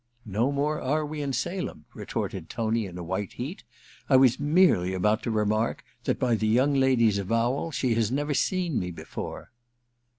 * No more are we in Salem,' retorted Tony in a white heat. * I was merely about to remark that, by the young lady's avowal, she has never seen me before.'